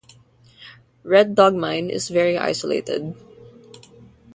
Red Dog Mine is very isolated.